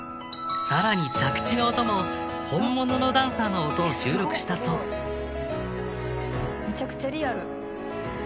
さらに着地の音も本物のダンサーの音を収録したそうめちゃくちゃリアル。